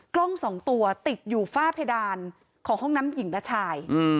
กล้องสองตัวติดอยู่ฝ้าเพดานของห้องน้ำหญิงและชาย